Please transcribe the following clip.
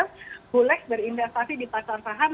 who likes berinvestasi di pasar saham